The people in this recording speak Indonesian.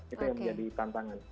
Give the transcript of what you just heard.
itu yang menjadi tantangan